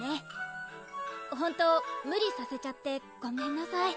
ほんと無理させちゃってごめんなさい